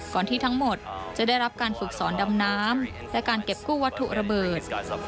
ที่ทั้งหมดจะได้รับการฝึกสอนดำน้ำและการเก็บกู้วัตถุระเบิด